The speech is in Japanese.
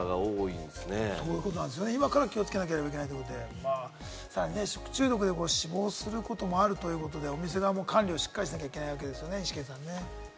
今から気をつけなければいけないということで、食中毒で死亡することもあるということでお店側もしっかり管理しなきゃいけないですよね、イシケンさん。